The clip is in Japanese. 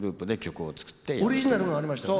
オリジナルがありましたよね。